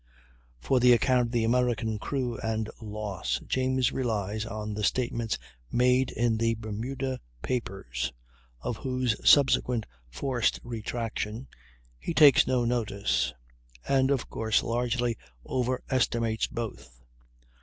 For the account of the American crew and loss, James relies on the statements made in the Bermuda papers, of whose subsequent forced retraction he takes no notice, and of course largely overestimates both.